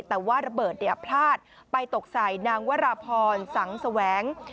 แต่ว่าระเบิดพลาดไปตกใส่นางวราพรสังแสวง